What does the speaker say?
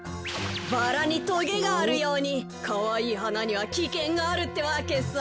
バラにとげがあるようにかわいいはなにはきけんがあるってわけさ。